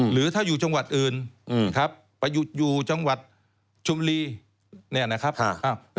หรือถ้าอยู่จังหวัดอื่นครับไปอยู่จังหวัดชมรีเนี่ยนะครับ